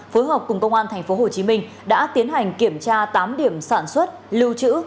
phối hợp cùng công an tp hcm đã tiến hành kiểm tra tám điểm sản xuất lưu trữ